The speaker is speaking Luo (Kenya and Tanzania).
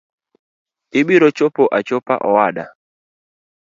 Ibiro chopo achopa owada.